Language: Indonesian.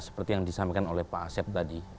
seperti yang disampaikan oleh pak asep tadi